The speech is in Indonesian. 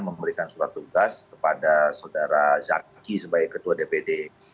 memberikan surat tugas kepada saudara zaki sebagai ketua dpd